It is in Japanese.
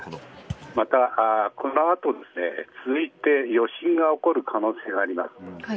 また、この後ですね続いて余震が起こる可能性があります。